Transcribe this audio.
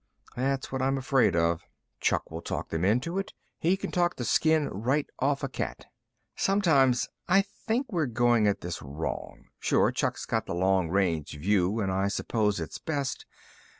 "That's what I'm afraid of." "Chuck will talk them into it. He can talk the skin right off a cat." "Sometimes I think we're going at this wrong. Sure, Chuck's got the long range view and I suppose it's best.